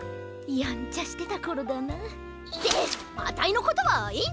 やんちゃしてたころだな。ってあたいのことはいいんだよ！